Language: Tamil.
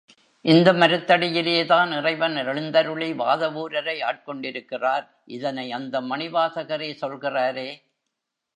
இந்த மரத்தடியிலேதான் இறைவன் எழுந்தருளி வாதவூரரை ஆட்கொண்டிருக்கிறார் இதனை அந்த மணிவாசகரே சொல்கிறாரே.